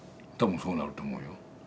多分そうなると思うよ。